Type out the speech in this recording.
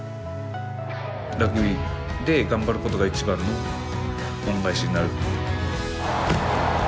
ラグビーで頑張ることが一番の恩返しになる。